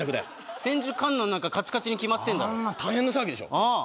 千手観音なんかカチカチに決まってんだろあんな大変な騒ぎでしょ